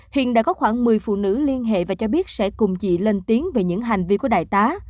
hiện đã có khoảng một mươi phụ nữ liên hệ và cho biết sẽ cùng chị lên tiếng về những hành vi của đại tá